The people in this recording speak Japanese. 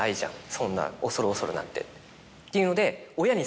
そんな恐る恐るなんてっていうので。